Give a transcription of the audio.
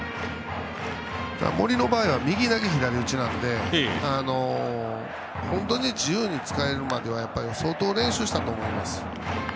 森の場合は右投げ左打ちなので本当に自由に使えるまでには相当練習したと思います。